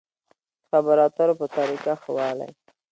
د خبرو اترو په طريقه کې ښه والی.